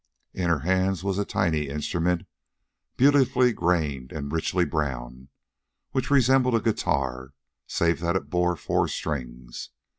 In her hands was a tiny instrument, beautifully grained and richly brown, which resembled a guitar save that it bore four strings.